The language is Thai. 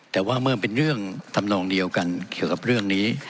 แต่ว่าเมื่อมันเป็นเรื่องทำนองเดียวกันเกี่ยวกับเรื่องนี้